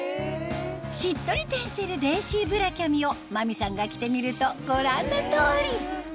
しっとりテンセルレーシーブラキャミを真美さんが着てみるとご覧の通り